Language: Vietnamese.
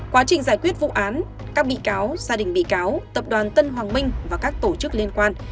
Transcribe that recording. quá trình giải quyết vụ án các bị cáo gia đình bị cáo tập đoàn tân hoàng minh và các tổ chức liên quan